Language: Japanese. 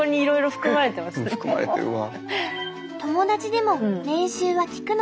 含まれてるわ。